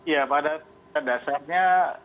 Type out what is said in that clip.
ya pada dasarnya